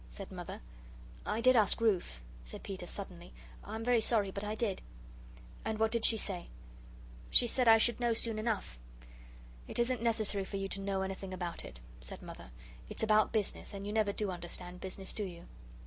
said Mother. "I did ask Ruth," said Peter, suddenly. "I'm very sorry, but I did." "And what did she say?" "She said I should know soon enough." "It isn't necessary for you to know anything about it," said Mother; "it's about business, and you never do understand business, do you?"